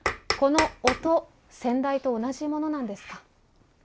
この音先代と同じものなんですか？